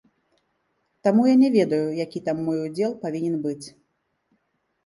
Таму я не ведаю, які там мой удзел павінен быць?!